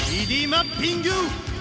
３Ｄマッピング！